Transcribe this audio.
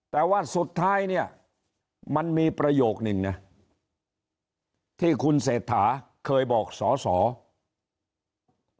แต่ว่าสุดท้ายเนี่ยมันมีประโยคนึงนะที่คุณเศรษฐาเคยบอกสอสอ